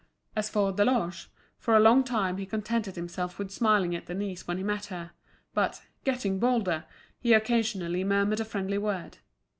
As for Deloche, for a long time he contented himself with smiling at Denise when he met her; but, getting bolder, he occasionally murmured a friendly word.